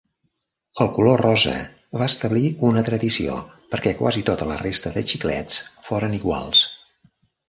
El color rosa va establir una tradició perquè quasi tota la resta de xiclets foren iguals.